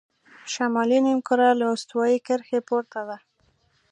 شمالي نیمهکره له استوایي کرښې پورته ده.